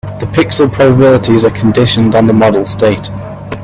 The pixel probabilities are conditioned on the model state.